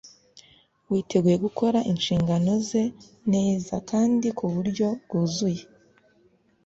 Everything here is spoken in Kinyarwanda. witeguye gukora inshingano ze neza kandi ku buryo bwuzuye